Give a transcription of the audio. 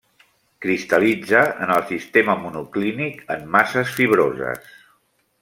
Cristal·litza en el sistema monoclínic en masses fibroses.